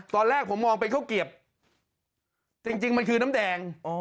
ตอนแรกผมมองเป็นข้าวเกียบจริงมันคือน้ำแดง